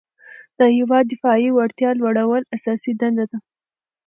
د هیواد دفاعي وړتیا لوړول اساسي دنده ده.